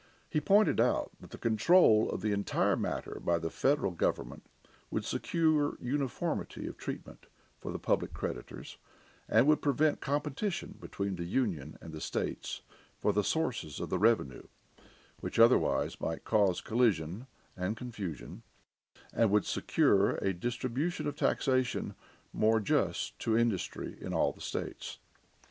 He pointed out that the control of the entire matter by the federal government would secure uniformity of treatment for the public creditors, would prevent competition between the Union and the states for the sources of the revenue, which otherwise might cause collision and confusion, and would secure a distribution of taxation more just to industry in all the states.